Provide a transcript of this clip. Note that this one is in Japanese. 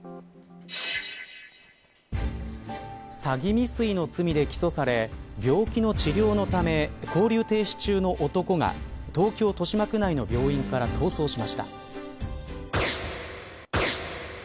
詐欺未遂の罪で起訴され病気の治療のため勾留停止中の男が東京、豊島区内の病院から逃走しました。